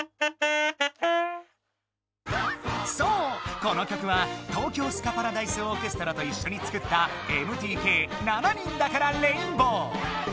そうこの曲は東京スカパラダイスオーケストラといっしょに作ったＭＴＫ「七人だからレインボー」。